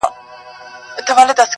چي ته مه ژاړه پیسې مو دربخښلي!!